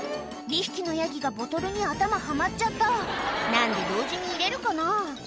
２匹のヤギがボトルに頭はまっちゃった何で同時に入れるかな？